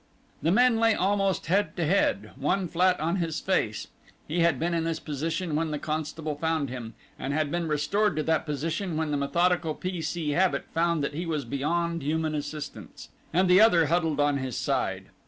The men lay almost head to head. One flat on his face (he had been in this position when the constable found him, and had been restored to that position when the methodical P. C. Habit found that he was beyond human assistance) and the other huddled on his side.